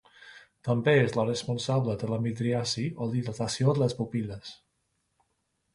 També és la responsable de la midriasi o dilatació de les pupil·les.